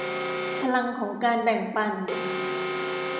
พลังของการแบ่งปัน